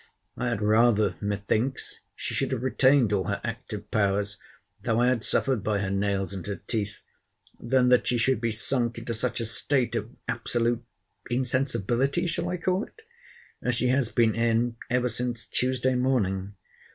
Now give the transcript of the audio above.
I had rather, methinks, she should have retained all her active powers, though I had suffered by her nails and her teeth, than that she should be sunk into such a state of absolute—insensibility (shall I call it?) as she has been in every since Tuesday morning.